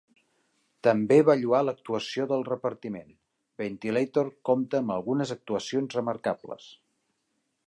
També va lloar l'actuació del repartiment: "Ventilator" compta amb algunes actuacions remarcables.